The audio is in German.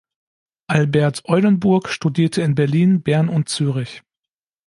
Albert Eulenburg studierte in Berlin, Bern und Zürich.